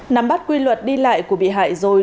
nắm bắt quy luật đi lại của bị hại rồi